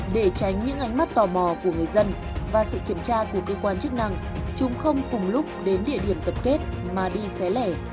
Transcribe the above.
đừng lúc đến địa điểm tập kết mà đi xé lẻ